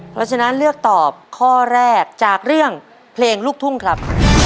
เพราะฉะนั้นเลือกตอบข้อแรกจากเรื่องเพลงลูกทุ่งครับ